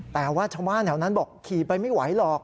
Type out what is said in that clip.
แต่ว่าชาวบ้านแถวนั้นบอกขี่ไปไม่ไหวหรอก